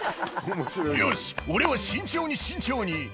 「よし俺は慎重に慎重に」